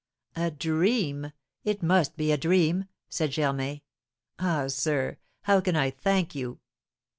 "A dream! It must be a dream!" said Germain. "Ah, sir, how can I thank you?